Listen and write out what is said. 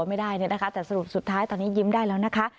ไม่ได้เนี่ยนะคะแต่สรุปสุดท้ายตอนนี้ยิ้มได้แล้วนะคะ